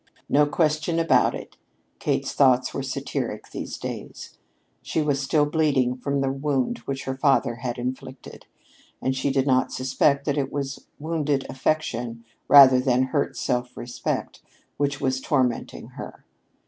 No question about it, Kate's thoughts were satiric these days. She was still bleeding from the wound which her father had inflicted, and she did not suspect that it was wounded affection rather than hurt self respect which was tormenting her.